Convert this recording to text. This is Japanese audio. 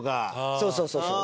そうそうそうそう。